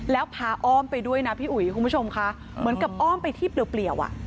แล้วพาอ้อมไปด้วยนะพี่อุ๋ยคุณผู้ชมค่ะเหมือนกับอ้อมไปที่เปลี่ยวอ่ะ